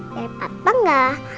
biar patah nggak